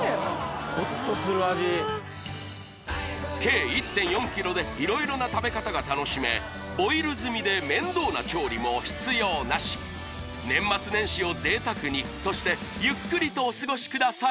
ほっとする味計１．４ｋｇで色々な食べ方が楽しめボイル済みで面倒な調理も必要なし年末年始を贅沢にそしてゆっくりとお過ごしください